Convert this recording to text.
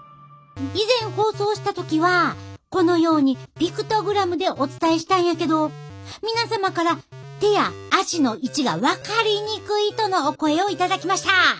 以前放送した時はこのようにピクトグラムでお伝えしたんやけど皆様から手や足の位置が分かりにくいとのお声を頂きました。